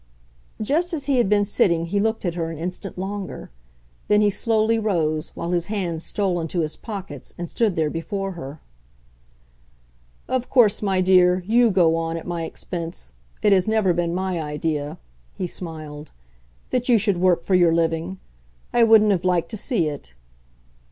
Just as he had been sitting he looked at her an instant longer; then he slowly rose, while his hands stole into his pockets, and stood there before her. "Of course, my dear, YOU go on at my expense: it has never been my idea," he smiled, "that you should work for your living. I wouldn't have liked to see it."